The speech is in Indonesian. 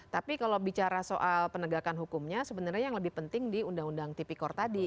tapi kalau bicara soal penegakan hukumnya sebenarnya yang lebih penting di undang undang tipikor tadi